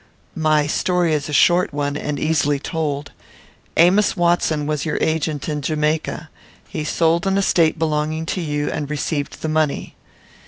"My story is a short one, and easily told. Amos Watson was your agent in Jamaica. He sold an estate belonging to you, and received the money."